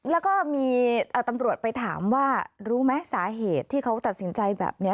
แล้วก็มีตำรวจไปถามว่ารู้ไหมสาเหตุที่เขาตัดสินใจแบบนี้